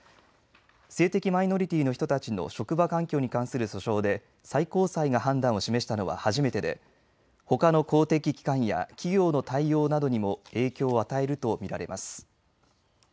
性的マイノリティーの人たちの職場環境に関する訴訟で最高裁が判断を示したのは初めてでほかの公的機関や企業の対応などにも影響を与えると見られます。